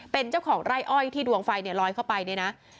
เป็นเจ้าของไร่อ้อยที่ดวงไฟเนี่ยลอยเข้าไปเนี่ยนะ